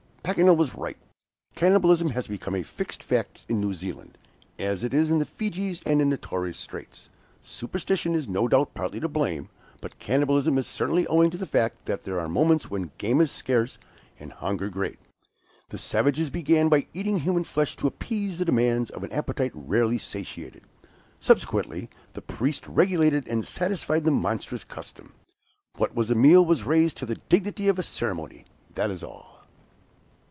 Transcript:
Paganel was right. Cannibalism has become a fixed fact in New Zealand, as it is in the Fijis and in Torres Strait. Superstition is no doubt partly to blame, but cannibalism is certainly owing to the fact that there are moments when game is scarce and hunger great. The savages began by eating human flesh to appease the demands of an appetite rarely satiated; subsequently the priests regulated and satisfied the monstrous custom. What was a meal, was raised to the dignity of a ceremony, that is all.